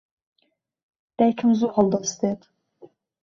دایکم زوو هەڵدەستێت.